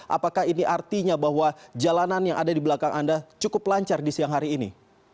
apakah ini artinya bahwa jalanan yang ada di belakang anda cukup lancar di siang hari ini